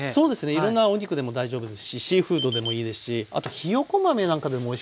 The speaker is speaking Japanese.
いろんなお肉でも大丈夫ですしシーフードでもいいですしあとひよこ豆なんかでもおいしかったですよ。